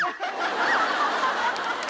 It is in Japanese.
ハハハハ！